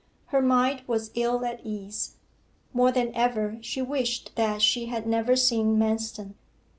Her mind was ill at ease. More than ever she wished that she had never seen Manston.